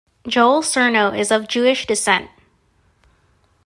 Joel Surnow is of Jewish descent.